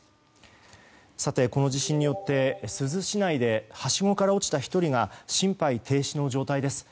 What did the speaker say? この地震によって珠洲市内ではしごから落ちた１人が心肺停止の状態です。